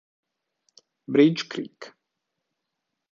Bridge Creek